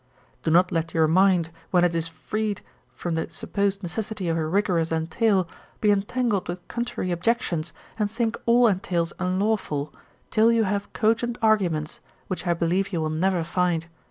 Do not let your mind, when it is freed from the supposed necessity of a rigorous entail, be entangled with contrary objections, and think all entails unlawful, till you have cogent arguments, which I believe you will never find.